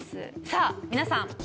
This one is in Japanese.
さあ皆さん。